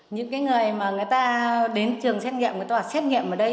những người mà người ta đến trường xét nghiệm người ta xét nghiệm ở đây